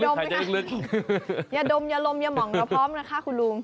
ยาดมยาลมยาหมองเราพร้อมนะคะคุณลุง